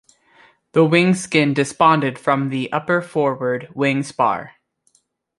The wing skin disbonded from the upper forward wing spar.